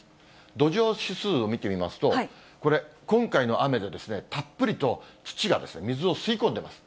土壌指数を見てみますと、これ、今回の雨でたっぷりと土が水を吸い込んでます。